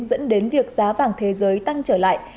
dẫn đến việc giá vàng thế giới tăng trở lại